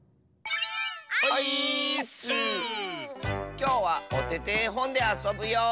きょうは「おててえほん」であそぶよ！